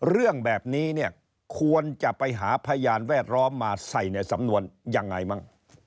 เรื่องแบบนี้เนี่ยควรจะไปหาพยานแวดล้อมมาใส่ในสำนวนยังไงมั้ง